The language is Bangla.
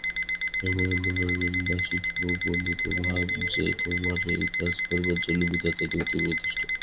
হে মান্দ্রাজবাসী যুবকবৃন্দ, ভাব যে তোমরা এই কাজ করবার জন্য বিধাতা কর্তৃক নির্দিষ্ট।